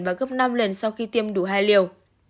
và gấp năm lần sau khi tiêm đủ hai liều